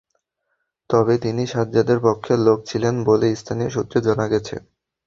তবে তিনি সাজ্জাদের পক্ষের লোক ছিলেন বলে স্থানীয় সূত্রে জানা গেছে।